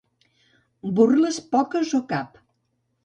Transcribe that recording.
Burles, poques o cap.